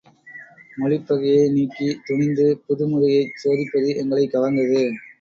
மொழிப் பகையை நீக்கி, துணிந்து, புது முறையைச் சோதிப்பது எங்களைக் கவர்ந்தது.